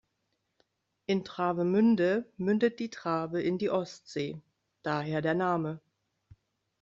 In Travemünde mündet die Trave in die Ostsee, daher der Name.